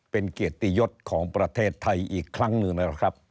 เป็นเกียรติยศของประเทศไทยอีกครั้งหนึ่งนะครับ